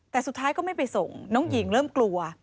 แต่สุดท้ายก็ไม่ไปส่งน้องหญิงเริ่มกลัว